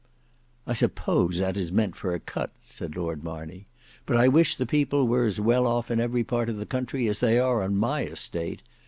"I suppose that is meant for a cut," said Lord Marney; "but I wish the people were as well off in every part of the country as they are on my estate.